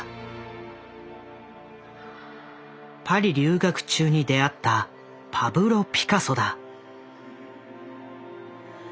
パリ留学中に出会ったパブロ・ピカソだ。